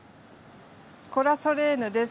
コラ・ソレーヌです。